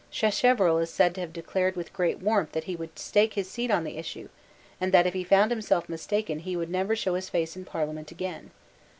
Sacheverell is said to have declared with great warmth that he would stake his seat on the issue, and that if he found himself mistaken he would never show his face in Parliament again.